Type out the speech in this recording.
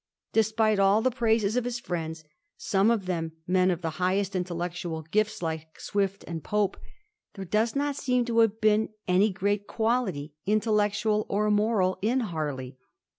Despite all the praises of his friends, some of them men of the highest intellectual gifts, like Swift and Pope, there does not seem to have been any great quality, intellectual or moral, in Harley.